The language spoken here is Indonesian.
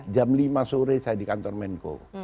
jam lima sore saya di kantor menko